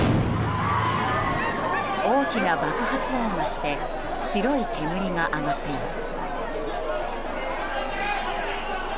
大きな爆発音がして白い煙が上がっています。